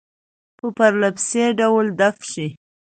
په پرله پسې ډول دفع شي.